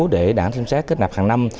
để đảng xem xét kết nạp hàng năm